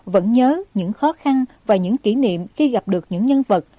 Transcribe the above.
vẫn nhớ những khó khăn và những kỷ niệm khi gặp được những nhân vật